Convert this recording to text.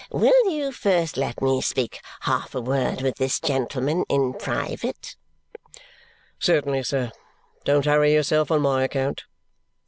Will you first let me speak half a word with this gentleman in private?" "Certainly, sir. Don't hurry yourself on my account."